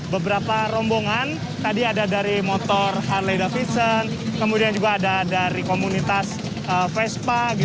beberapa rombongan tadi ada dari motor harley davidson kemudian juga ada dari komunitas vespa